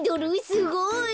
すごい。